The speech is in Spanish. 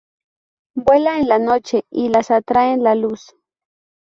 Vuela en la noche y las atraen la luz.